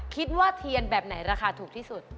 คิดว่าเทียนแบบไหนราคาถูกที่สุด